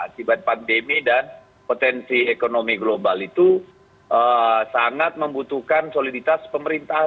akibat pandemi dan potensi ekonomi global itu sangat membutuhkan soliditas pemerintah